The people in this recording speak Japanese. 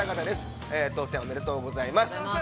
ご当せん、おめでとうございます！